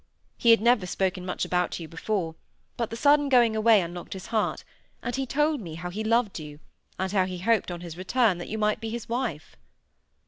"He had never spoken much about you before, but the sudden going away unlocked his heart, and he told me how he loved you, and how he hoped on his return that you might be his wife."